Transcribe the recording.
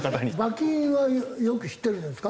罰金はよく知ってるんじゃないですか？